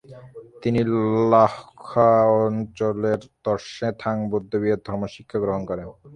তিনি ল্হো-খা অঞ্চলের র্ত্সে-থাং বৌদ্ধবিহারে ধর্মশিক্ষা গ্রহণ করেন।